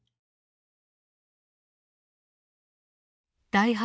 第８